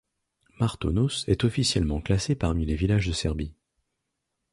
Martonoš est officiellement classé parmi les villages de Serbie.